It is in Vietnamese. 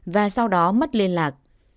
và sau đó mất liên lạc